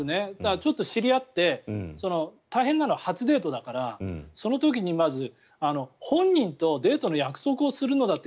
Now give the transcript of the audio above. ちょっと知り合って大変なのは初デートだからその時にまず、本人とデートの約束をするのだって